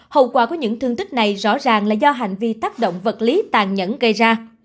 hậu quả của những thương tích này rõ ràng là do hành vi tác động vật lý tàn nhẫn gây ra